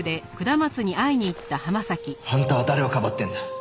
あんたは誰をかばってんだ？